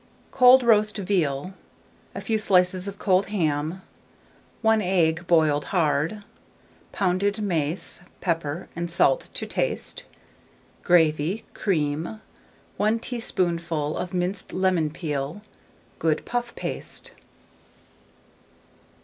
Cold roast veal, a few slices of cold ham, 1 egg boiled hard, pounded mace, pepper and salt to taste, gravy, cream, 1 teaspoonful of minced lemon peel, good puff paste.